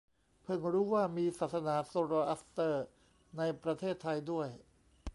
เพิ่งรู้ว่ามีศาสนาโซโรอัสเตอร์ในประเทศไทยด้วย